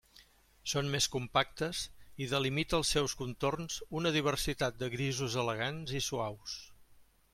Són més compactes i delimita els seus contorns una diversitat de grisos elegants i suaus.